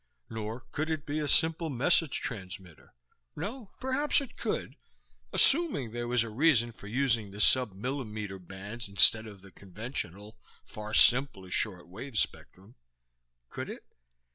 Nor could it be a simple message transmitter no, perhaps it could, assuming there was a reason for using the submillimeter bands instead of the conventional, far simpler short wave spectrum. Could it?